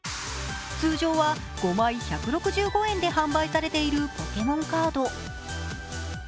通常５枚で１６５円で販売されているポケモンカード。